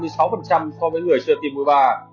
so với người chưa tiêm mũi ba